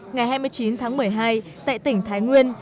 ngày hai mươi chín tháng một mươi hai tại tỉnh thái nguyên